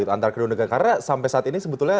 antar kedua negara karena sampai saat ini sebetulnya